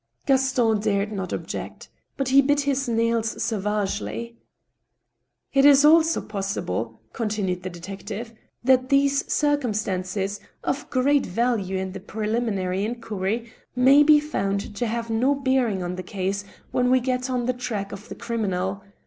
Gaston dared not object. But he bit his nails savagely. " It is also possible," continued the detective, " that these cir cumstances, of great value in the preliminary inquiry, may be found to have no bearing on the case when we get on the track of the criminal.